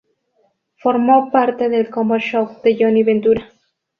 Formó parte del Combo Show de Johnny Ventura.